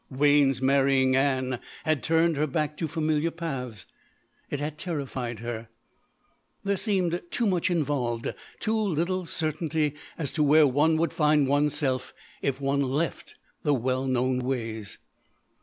Wayne's marrying Ann had turned her back to familiar paths. It had terrified her. There seemed too much involved, too little certainty as to where one would find one's self if one left the well known ways.